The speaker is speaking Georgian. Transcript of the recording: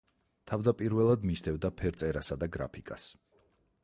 თავდაპირველად მისდევდა ფერწერასა და გრაფიკას.